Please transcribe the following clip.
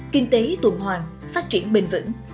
kinh tế tuần hoàng phát triển bền vững